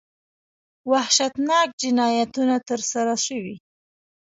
وحشتناک جنایتونه ترسره شوي.